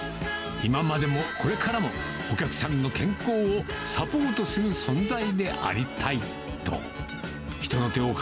今までもこれからも、お客さんの健康をサポートする存在でありたいと。